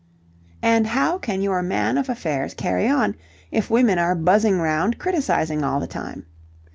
And how can your man of affairs carry on if women are buzzing round criticizing all the time?